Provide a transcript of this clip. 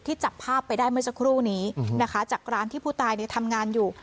จับภาพไปได้เมื่อสักครู่นี้นะคะจากร้านที่ผู้ตายเนี่ยทำงานอยู่